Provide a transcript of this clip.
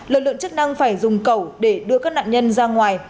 lực lượng chức năng phải dùng cầu để đưa các nạn nhân ra ngoài